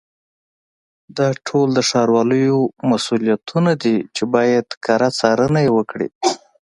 دا ټول د ښاروالیو مسؤلیتونه دي چې باید کره څارنه یې وکړي.